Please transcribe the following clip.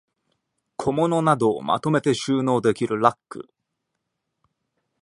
小物などをまとめて収納できるラック